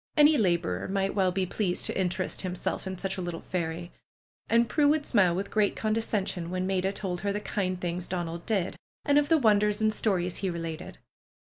Any laborer might well be pleased to in terest himself in such a little fairy. And Prue would smile with great condescension when 'Maida told her the kind things Donald did, and of the wonders and stories he related.